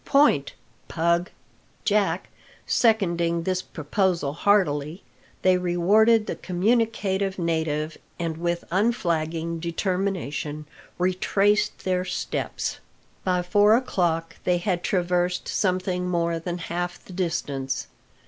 Point, Pug!" Jack seconding this proposal heartily, they rewarded the communicative native, and with unflagging determination retraced their steps. By four o'clock they had traversed something more than half the distance.